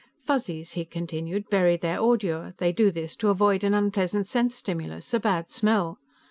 "Fuzzies," he continued, "bury their ordure: they do this to avoid an unpleasant sense stimulus, a bad smell.